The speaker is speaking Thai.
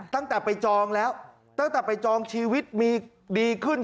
ตั้งแต่ไปจองแล้วตั้งแต่ไปจองชีวิตมีดีขึ้น